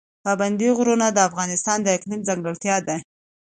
پابندی غرونه د افغانستان د اقلیم ځانګړتیا ده.